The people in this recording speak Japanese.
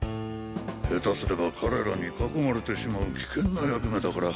下手すれば彼らに囲まれてしまう危険な役目だから。